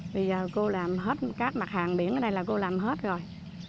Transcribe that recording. bây giờ cô làm hết các mặt hàng biển ở đây là cô làm hết rồi